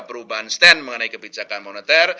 perubahan stand mengenai kebijakan moneter